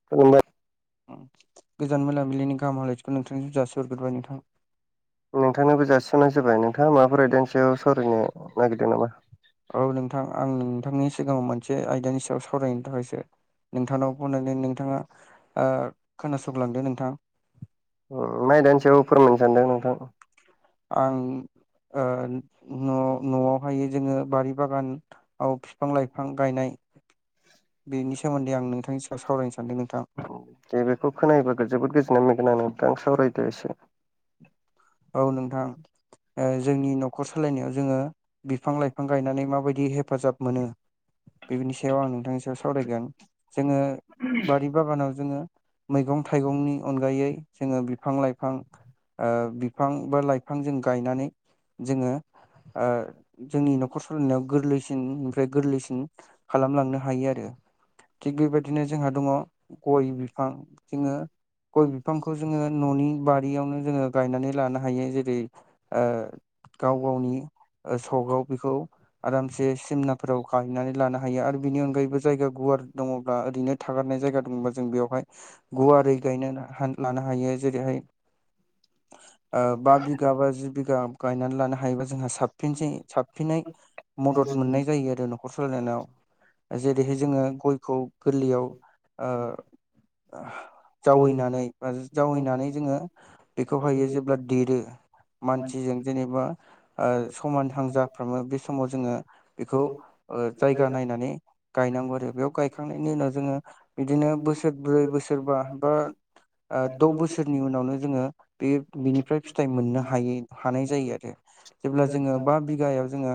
[unintelligible] गोजान मोनाबिलिनि गाहाम हामलायथिखौ नोंथांनि जासि हरग्रोबाय नोंथां नोंथांनोबो जासिनाय जाबाय नोंथाङा माबाफोर एदेनसेयाव सावरायनो नागिरदों नामा औ नोंथां आं नोंथांनि सिगाङाव मोनसे आयदानि सायाव सावरायनो थाखायसो नोंथांनाव फनानै नोंथाङा ओ खोनासलांदो नोंथां अ मा आयदानि सायाव फोरमायनो सानदों नोंथां आं ओ न' न'आवहाय जोङो बारि बागान औ फिफां लाइफां गायनाय बेनि सोमोन्दै आं नोंथांनि सायाव सावरायनो सानदों नोंथां जे बेखौ खोनायो बा गो जोबोद गोजोननाय मोनगोन आं नोंथां सावरायदो एसे औ नोंथां ओ जोंनि न'खर सालायनायाव जोङो बिफां लाइफां गायनानै माबायदि हेफाजाब मोनो बेफोनि सायाव आं नोंथांनि सावरायगोन जोङो बारि बागानाव जोङो मैगं थाइगंनि अनगायै जोङो बिफां लाइफां ओ बिफां बा लाइफां जों गायनानै जोङो ओ जोंनि न'खर स'लायनायाव गोरलैसिन ओमफ्राय गोरलैसिन खालामलांनो हायो आरो थिग बेबायदिनो जोंहा दङ गय बिफां, जोङो गय बिफांखौ जोङो न'नि बारियावनो जोङो गायनानै लानो हायो जेरै ओ गाव गावनि ओ सकआव बेखौ आरामसे सिमनाफोराव खाहैनानै लानो हायो। आरो बिनि अनगायैबो जायगा गुवार दङब्ला ओरैनो थागारनाय जायगा दंबा जों बेयावहाय गुवारै गायनो हा लानो हायो जेरैहाय ओ बा बिघा, बा जि बिघा गायनानै लानो हायोबा जोंहा साबफिनसै साबसिनै मदद मोननाय जायो आरो न'खर सालायलांनायाव, जेरैहाय जोङो गयखौ गोरलैयाव ओ हा जावैनानै बा जावैनानै जोङो बेखौहायो जेब्ला देरो मानसिजों जेनेबा ओ समानहां जाफ्रामो, बे समाव जोङो बेखौ ओ जायगा नायनानै गायनांगौ आरो, बेयाव गायखांनायनि उनाव जोङो बिदिनो बोसोर ब्रै बोसोर बा, बा ओ द' बोसोरनि उनावनो जोङो बे फ्राय फिथाइ मोननो हायो हानाय जायो आरो जेब्ला जोङो बा बिघायाव जोङो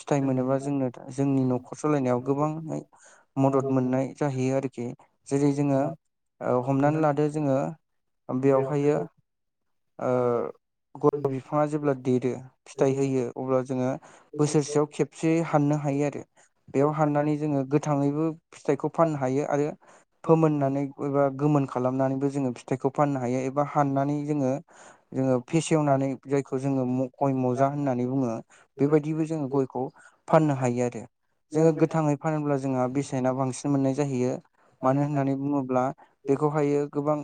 फिथाइ मोनोबा जोंनो जोंनि न'खर सालायनायाव गोबांयै मदद मोननाय जाहैयो आरोखि जेरै जोङो हमनानै लादो जोङो बेवहायो ओ गय' फिफाङा जेब्ला देरो फिथाइ होयो अब्ला जोङो बोसोरसेयाव खेबसे हाननो हायो आरो बेयाव हाननानै जोङो गोथाङैबो फिथाइखौ फाननो हायो, आरो फोमोननानै एबा गोमोन खालामनानैबो जोङो फिथाइखौ फाननो हायो एबा हाननानै जोङो जोङो फेसेवनानै जायखौ जोङो गय मजा होननानै बुङो, बेबायदिबो जोङो गयखौ फाननो हायो आरो जोङो गोथाङै फानोब्ला जोंहा बेसेना बांसिन मोननाय जाहैयो, मानो होननानै बुङोब्ला बेखौहायो गोबां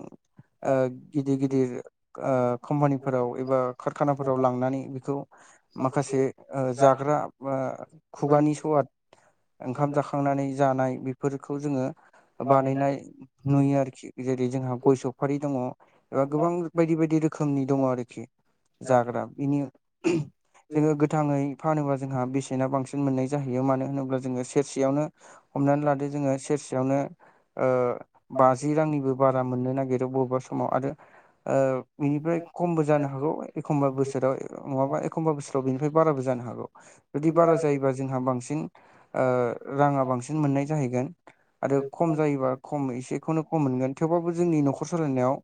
ओ गिदिर गिदिर ओ कम्पानिफोराव एबा खारखानाफोराव लांनानै बेखौ माखासे ओ जाग्रा बा खुगानि सुवाद ओंखाम जाखांनानै जानाय बेफोरखौ जोङो बानायनाय नुयो आरोखि जेरै जोंहा गय सफारि दङ एबा गोबां बायदि बायदि रोखोमनि दङ आरोखि जाग्रा बिनि जोङो गोथाङै फानोबा जोंहा बेसेना बांसिन मोननाय जाहैयो मानो होनोब्ला जोङो सेरसेयावनो हमनानै लादो जोङो सेरसेयावनो ओ बाजि रांनिबो बारा मोननो नागिरो बबेबा समाव आरो ओ बेनिफ्राय खमबो जानो हागौ एखमबा बोसोराव नङाबा एखमबा बोसोराव बेनिफ्राय बाराबो जानो हागौ। जुदि बारा जायोबा जोंहा बांसिन ओ राङा बांसिन मोननाय जाहैगोन। आरो खम जायोबा खम एसेखौनो खम मोनगोन थेवबाबो जोंनि न'खर सलायनायाव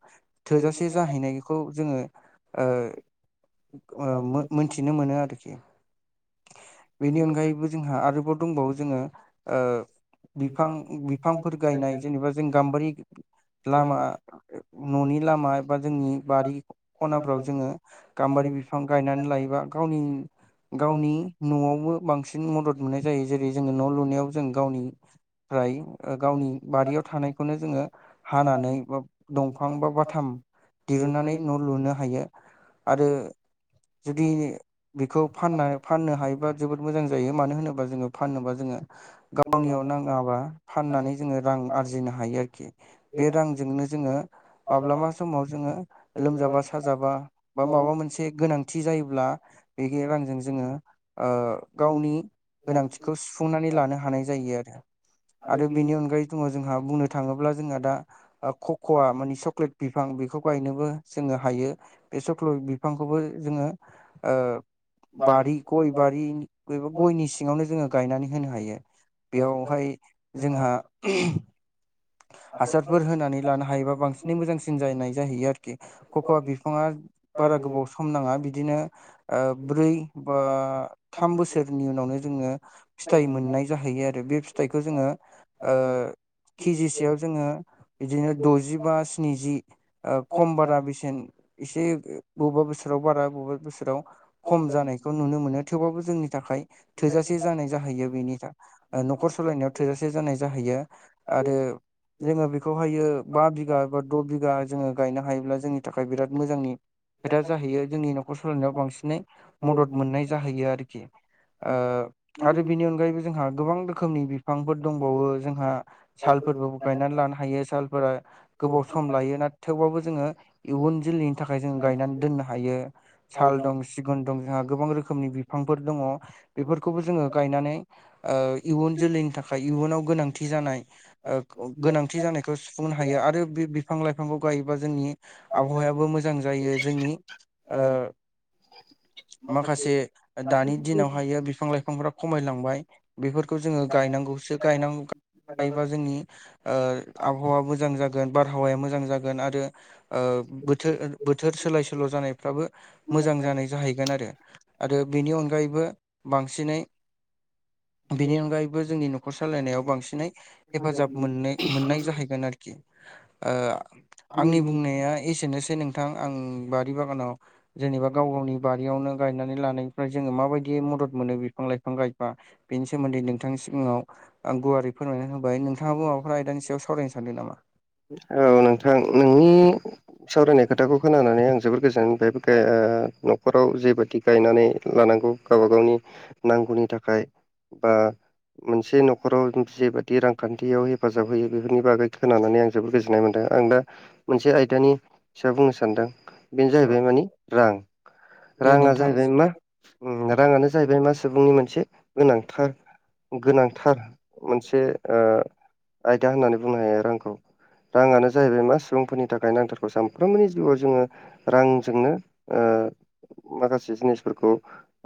जाहैनायखौ जोङो ओ ओ मो-मोन्थिनो मोनो आरोखि। बेनि अनगायैबो जोंहा आरोबाव दंबावो जोङो ओ बिफां बिफांफोर गायनाय जेनेबा जों गाम्बारि लामा न'नि लामा‌ नि बारि खनाफ्राव जोङो गाम्बारि बिफां गायनानै लायोबा गावनि गावनि न'आवबो बांसिन मदद मोननाय जायो जेरै जोङो न' लुनायाव जों गावनि फ्राय ओ गावनि बारियाव थानायखौनो जोङो हानानै बा दंफां बा बाथाम दिहुननानै न' लुनो हायो आरो जुदि बेखौ फानना फाननो हायोबा जोबोद मोजां जायो मानो होनोबा जोङो फाननोबा जोङो गावनियाव नाङाबा फाननानै जोङो रां आरजिनो हायो आरोखि। बे रांजोंनो जोङो माब्लाबा समाव जोङो लोमजाबा साजाबा बा माबा मोनसे गोनांथि जायोब्ला बे रांजों जोङो ओ गावनि गोनांथिखौ सुफुंनानै लानो हानाय जायो आरो आरो बेनि अनगायै दङ जोंहा बुंनो थाङोब्ला जोंहा दा ओ कक'आ मानि चक्लेट बिफां बेखौ गायनोबो जोङो हायो बे सख्ल' बिफांखौबो जोङो ओ बारि गय बारि गयनि सिङावनो जोङो गायनानै होनो हायो। बेयावहाय जोंहा हासारफोर होनानै लानो हायोबा बांसिनै मोजांसिन जानाय जाहैयो आरोखि कक'आ बिफाङा बारा गोबाव सम नाङा बिदिनो ओ ब्रै बा थाम बोसोरनि उनावनो जोङो फिथाइ मोननाय जाहैयो आरो बे फिथाइखौ जोङो ओ [inaudible] केजिसेयाव जोङो बिदिनो द'जि बा स्निजि ओ खम बारा बेसेन एसे बबेबा बोसोराव बारा बबेबा बोसोराव खम जानायखौ नुनो मोनो थेवबाबबो जोंनि थाखाय थोजासे जानाय जाहैयो। नि न'खर सालायनायाव थोजासे जानाय जाहैयो आरो जोङो बेखौहायो बा बिघा बा द' बिघा जोङो गायनो हायोब्ला जोंनि थाखाय बिराद मोजांनि खोथा जाहैयो जोंनि न'खर सलायनायाव बांसिनै मदद मोननाय जाहैयो आरोखि। ओ आरो बेनि अनगायैबो जोंहा गोबां रोखोमनि बिफांफोर दंबावो जोंहा सालफोरबो गायनानै लानो हायो सालफोरा गोबाव सम लायो ना थेवबाबो जोङो इयुन जोलैनि थाखाय जों गायनानै दोननो हायो। साल दं सिगुन दं जोंहा गोबां रोखोमनि बिफांफोर दङ बेफोरखौबो जोङो गायनानै ओ इयुन जोलैनि थाखाय इयुनाव गोनांथि जानाय ओ गोनांथि जानायखौ सुफुंनो हायो आरो बे बिफां लाइफांखौ गायोबा जोंनि आबहावायाबो मोजां जायो जोंनि ओ माखासे दानि दिनावहायो बिफां लाइफांफोरा खमायलांबाय। बेफोरखौ जोङो गायनांगौसो गायनांगौ थायोबा जोंनि ओ आबहावा मोजां जागोन बारहावाया मोजां जागोन आरो ओ बोथोर बोथोर सोलाय सोल' जानायफ्राबो मोजां जानाय जाहैगोनआरो। आरो बेनि अनगायैबो बांसिनै बेनि अनगायैबो जोंनि न'खर सालायनायाव बांसिनै हेफाजाब मोननो मोननाय जाहैगोन आरोखि। ओ आंनि बुंनाया एसेनोसै नोंथां आं बारि बागानाव जेनेबा गाव गावनि बा यावनो गायनानै लानायनिफ्राय जोङो माबायदि मदद मोनो बिफां लाइफां गायबा बेनि सोमोन्दै नोंथांनि सिगाङाव ओ गुवारै फोरमायनानै होबाय नोंथाङाबो माबाफोरा आयदानि सायाव सावरायनो सानदों नामा? औ नोंथां नोंनि सावरायनाय खोथाखौ खोनानानै आं जोबोर गोजोननाय मोनबाय ओ न'खराव जेबायदि गायनानै लानांगौ गावबा गावनि नांगौनि थाखाय बा मोनसे न'खराव जेबादि रां खान्थियाव हेफाजाब होयो बेफोरनि बागै खोनानानै आं जोबोद गोजोननाय मोनदों आं दा मोनसे आयदानि सायाव बुंनो सानदों बेनो जाहैबाय मानि रां दे राङा नोंथां जाहैबाय मा ओम राङानो जाहैबाय मा सुबुंनि मोनसे गोनांथार गोनांथार मोनसे ओ आयदा होननानै बुंनो हायो रांखौ। राङानो जाहैबाय मा सुबुंफोरनि थाखाय नांथारगौ सानफ्रोमबोनि जिउआव जोङो रांजोंनो ओ‌ माखासे जिनिसफोरखौ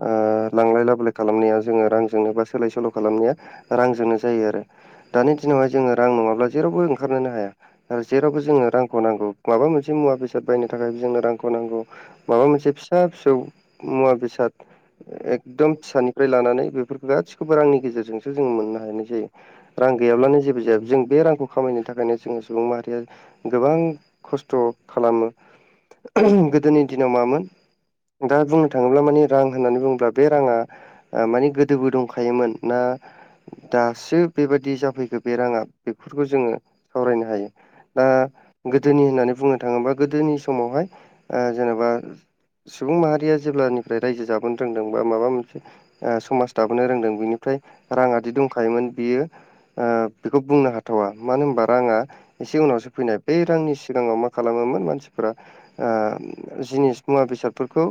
ओ लांलाय लाबोलाय खालामनाया जोङो रांजोंनो बा सोलाय सोल' खालामनाया रांजोंनो जायो आरो। दानि दिनावहाय जोङो रां नङाब्ला जेरावबो ओंखा ओंखारनोनो हाया आरो जेरावबो जोंनो रांखौ नांगौ माबा मोनसे मुवा बेसाद बायनो थाखाय जोंनो रांखौ नांगौ। माबा मोनसे फिसा फिसौ मुवा बेसाद एक दम फिसानिफ्राय लानानै बेफोरखौ गासिखौबो रांनि गेजेरजोंसो जोङो मोननो हानाय जायो। रां गैयाब्लानो जेबो जाया जों बे रांखौ खामायनो थाखायनो जोङो सुबुं माहारिया गोबां खस्थ' खालामो। गोदोनि दिनाव मामोन दा बुंनो थाङोब्ला माने रां होननानै बुङोब्ला बे राङा माने गोदोबो दंखायोमोन ना दासो बेबायदि जाफैगो बे राङा बेफोरखौ जोङो सावरायनो हायो दा गोदोनि होननानै बुंनो थाङोबा गोदोनि समावहाय ओ जेनेबा सुबुं माहारिया जेब्ला निफ्राय रायजो जाबोन रोंदों बा माबा मोनसे समाज दाबोनो रोंदों बिनिफ्राय राङादि दंखायोमोन बियो ओ बेखौ बुंनो हाथावा मानो होनबा राङा एसे उनावसो फैनाय बे सिगांनि सिगाङाव मा खालामोमोन मानसिफोरा ओ जिनिस मुवा बेसादफोरखौ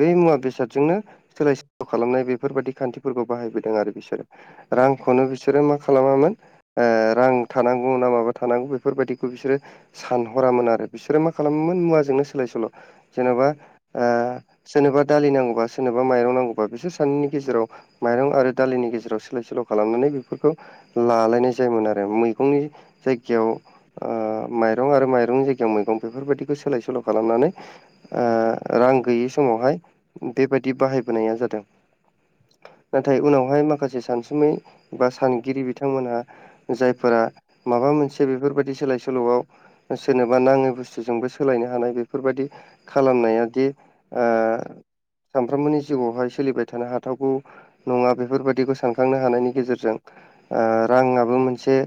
बे मुवा बेसादजोंनो सोलाय सोल' खालामनाय बेफोर बायदि खान्थिफोरखौ बाहायबोदों आरो बिसोरो। रांखौनो बिसोरो मा खालामामोन ओ रां थानांगौ ना माबा थानांगौ बेफोरबायदिखौ बिसोरो सानहरामोन आरो बिसोरो मा खालामोमोन मुवाजोंनो सोलाय सोल' जेन'बा ओ औ। सोरनोबा दालि नांगौबा सोरनोबा माइरं नांगौबा बिसोर सानैनि गेजेराव माइरं आरो दालिनि गेजेराव सोलाय सोल' खालामनानै बेफोरखौ लालायनाय जायोमोन आरो मैगंनि जायगायाव ओ माइरं आरो माइरंनि जायगायाव मैगं‌ बेफोरबायदिखौ सोलाय सोल' खालामनानै ओ रां गैयै समावहाय बेबायदि बाहायबोनाया जादों। नाथाय उनावहाय माखासे सानसुमै बा सान बिथांमोनहा जायफोरा माबा मोनसे बेफोरबायदि सोलाय सोल'आव सोरनोबा नाङै बुस्थुजोंबो सोलायनो हानाय बेफोरबायदि खालामनाया दि ओ सामफ्रोमबोनि जिउआवहाय सोलिबाय थानो हाथावगौ नङा बेफोरबादिखौ सानखांनो हानायनि गेजेरजों ओ राङाबो मोनसे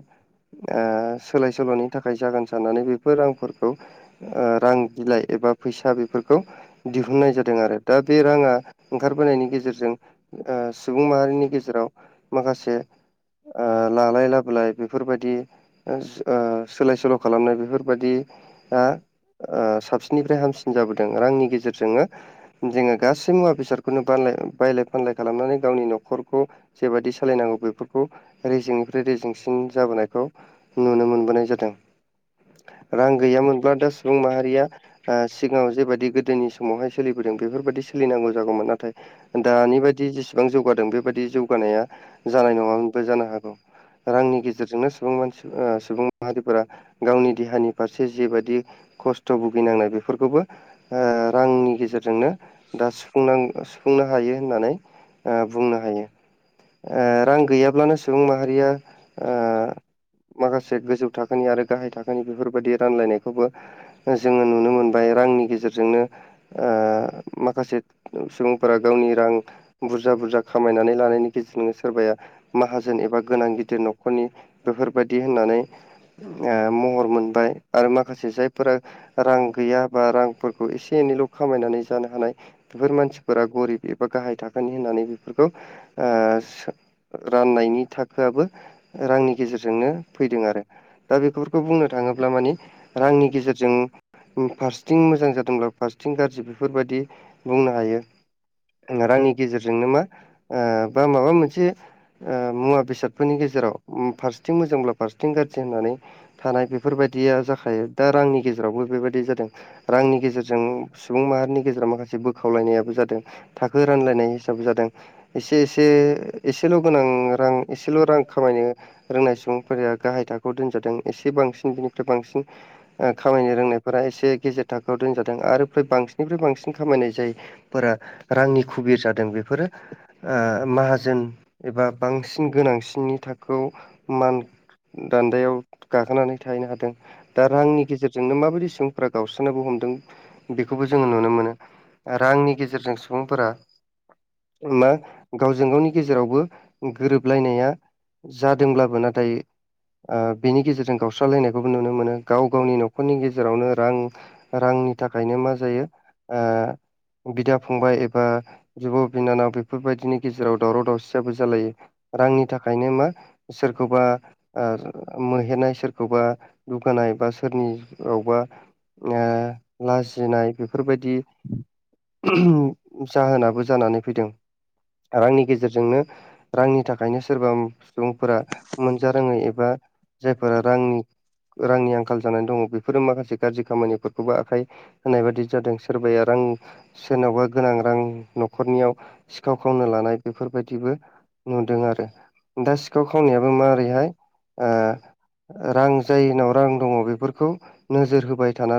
ओ सोलाय सोल'नि थाखाय जागोन साननानै बेफोर रांफोरखौ ओ रां बिलाइ एबा फैसा बेफोरखौ दिहुननाय जादों आरो दा बे राङा ओंखारबोनायनि गेजेरजों ओ सुबुं माहारिनि गेजेराव माखासे, ओ लालाय लाबोलाय बेफोरबायदि, ओ सोलाय सोल' खालामनाय बेफोर बायदि, ओ साबसिननिफ्राय हामसिन जाबोदों। रांनि गेजेरजोंनो, जोङो गासै मुवा बेसादखौनो बायलाय फानलाय खालामनानै गावनि न'खरखौ जेबादि सालायनांगौ। खौ रेजेंंनिफ्राय रेजेंसिन जाबोनायखौ नुनो मोनबोनाय जादों। रां गैयामोनब्ला दा सुबुं माहारिया ओ सिगाङाव जेबायदि गोदोनि समावहाय सोलिबोदों बेफोरबायदिसो सोलिनांगौ जागौमोन। नाथाय दानि बायदि जेसेबां जौगादों बेबायदि जौगानाया जानाय नङामोन। जानो हागौ रांनि गेजेरजोंनो सुबुं मानसि सुबुं माहारिफोरा, गावनि देहानि फारसे जेबायदि खस्थ' खस्थ' भुगिनांनाय बेफोरखौबो ओ रांनि गेजेरजोंनो दा सुफुंनां सुंफुंनो हायो हनानै बुंनो हायो ओ रां गैया सुबुं माहारिया ओ माखासे गोजौ थाखोनि आरो गाहाय थाखोनि आं बेफोर बायदि रानलायनायखौबो जोङो नुनो मोनबाय रांनि गेजेरजोंनो। ओ माखासे सुबुंफोरा गावनि रां बुरजा बुरजा। खामायनानै लानायनि गेजेरजोंनो सोरबाया। माहाजोन एबा गोनां गिदिर न'खरनि बेफोर बायदि होननानै महर मोन आरो माखासे जायफोरा रां गैया बा रांफोर खौ एसे एनैल' खामायनानै जानो हानाय। बेफोर मानसिफोरा गरिब एबा गाहाय थाखोनि होननानै बेफोरखौ औ राननायनि थाखोआबो रांनि गेजेरजोंनो। फैदों आरो दा बेफोरखौ बुंनो थाङोब्ला मानि रांनि गेजेरजों। फारथिं मोजां जादोंब्ला फारथिं गाज्रि बेफोरबायदि बुंनो हायो। रांनि गेजेरजोंनोंमा ओ बा माबा मोनसे। ओ मुवा बेसादफोरनि गेजेराव फारसेथिं मोजांब्ला फारसेथिं गाज्रि होननानै। थानाय बेफोरबायदिया जाखायो दा रांनि गेजेरावबो बेबायदि जादों रांनि गेजेरजों। सुबुं माहारिनि गेजेराव माखासे बोखावलायनायाबो जादों थाखो रानलायनाय हिसाबै जादों। एसे एसे एसे एसेल' गोनां रां एसेल' रां खामायनो रोंनाय सुबुंफोरा गाहाय थाखोआव दोंजोब। दों एसे बांसिन बिनिफ्राय बांसिन ओ खामायनो रोंनायफोरा एसे गेजेर थाखोआव दोनजादों आरो फ्राय बांसिननिफ्राय बांसिन खामायनाय जायो। फोरा रांनि खुबिर जादों बेफोरो ओ माहाजोन। एबा बांसिन गोनांसिननि थाखोआव मान दान्दायाव गाखोनानै, थाहैनो हादों दा रांनि गेजेरजोंनो माबायदि सों फ्रा गावस्रानोबो हमदों बेखौबो जोङो नुनो मोनो ओ रांनि गेजे गेजेरजों सुबुंफोरा मा गावजों गावनि गेजेरावबो। गोरोबलायनाया जादोंब्लाबो नाथाय ओ बेनि गेजेरजों गावस्रा खालायनायखौबो नुनो मोनो गाव गावनि न'खरनि गेजेरावनो रां। रांनि थाखायनो मा जायो ओ बिदा फंबाय एबा बिब' बिनानाव बेफोरबायदिनि गेजेराव दावराव दावसियाबो जालायो। रांनि थाखायनो मा सोरखौबा। ओ मोहेरनाय सोरखौबा दुगानाय बा सोरनियावबा ओ लाजिनाय बेफोरबायदि जाहोनाबो जानानै फैदों रांनि गेजेरजोंनो रांनि थाखायनो सोरबा सुबुंफोरा मोनजा रोङै एबा जायफोरा रांनि रांनि आंखाल जानानै दङ बे फोरो माखासे गाज्रि खामानिफोरखौबो आखाय होनाय बादि जादों सोरबाया रां सोरनावबा गोनां रां न'खरनियाव सिखाव खावनो लानाय बेफोरबायदिबो। नुदों आरो दा सिखाव खावनायाबो माबोरैहाय। ओ रां जायनाव रां दङ बेफोरखौ नोजोर होबाय थाना